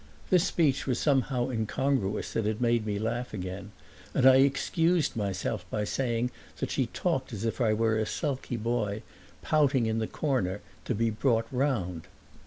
This speech was somehow so incongruous that it made me laugh again, and I excused myself by saying that she talked as if I were a sulky boy, pouting in the corner, to be "brought round."